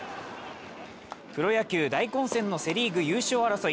プロ野球大混戦のセ・リーグ優勝争い。